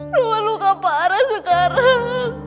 wulan luka parah sekarang